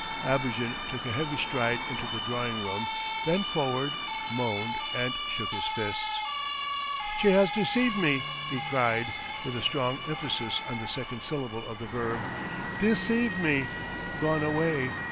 ... Abogin took a heavy stride into the drawing room, bent forward, moaned, and shook his fists. "She has deceived me," he cried, with a strong emphasis on the second syllable of the verb. "Deceived me, gone away.